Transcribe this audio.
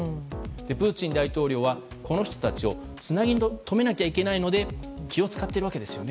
プーチン大統領はこの人たちをつなぎとめなければいけないので気を使っているわけですよね。